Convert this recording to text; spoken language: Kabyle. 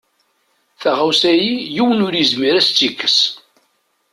Taɣawsa-ayi yiwen ur yezmir ad as-tt-yekkes.